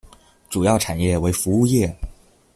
主要产业为服务业。